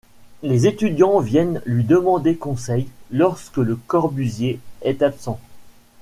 Les étudiants viennent lui demander conseil lorsque Le Corbusier est absent.